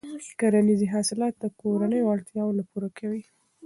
کرنیزې حاصلات د کورنیو اړتیاوې نه پوره کوي.